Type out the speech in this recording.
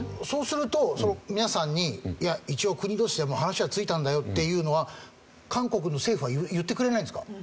そうすると皆さんにいや一応国同士でもう話はついたんだよっていうのは韓国の政府は言ってくれないんですか？